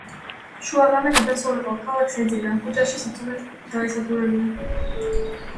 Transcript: შუაღამე გადასულიყო. ქალაქს ეძინა. ქუჩაში სიჩუმეს დაესადგურებინა.